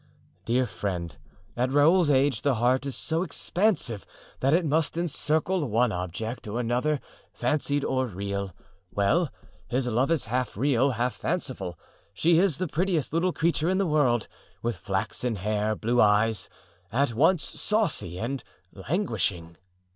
"Dear friend, at Raoul's age the heart is so expansive that it must encircle one object or another, fancied or real. Well, his love is half real, half fanciful. She is the prettiest little creature in the world, with flaxen hair, blue eyes,—at once saucy and languishing."